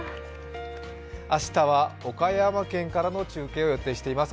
明日は岡山県からの中継を予定しています。